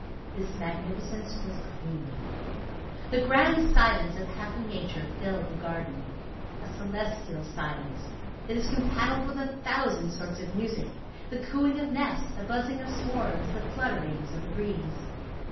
This magnificence was cleanly. The grand silence of happy nature filled the garden. A celestial silence that is compatible with a thousand sorts of music, the cooing of nests, the buzzing of swarms, the flutterings of the breeze.